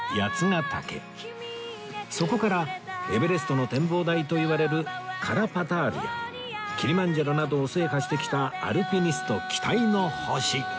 そこからエベレストの展望台といわれるカラパタールやキリマンジャロなどを制覇してきたアルピニスト期待の星